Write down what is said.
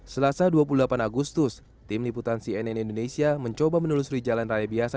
selasa dua puluh delapan agustus tim liputan cnn indonesia mencoba menelusuri jalan raya biasa